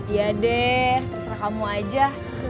ya deh terserah kamu aja